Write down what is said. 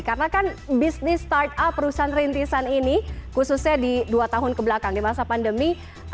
karena kan bisnis start up perusahaan rintisan ini khususnya di dua tahun kebelakang di masa pandemi